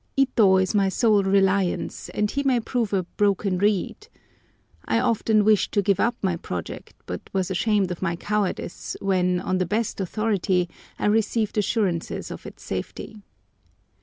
Ito is my sole reliance, and he may prove a "broken reed." I often wished to give up my project, but was ashamed of my cowardice when, on the best authority, I received assurances of its safety.